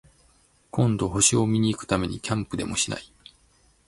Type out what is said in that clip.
今度、星を見に行くためにキャンプでもしない？